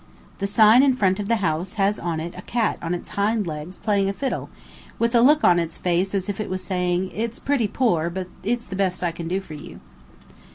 The sign in front of the house has on it a cat on its hind legs playing a fiddle, with a look on its face as if it was saying, "It's pretty poor, but it's the best I can do for you."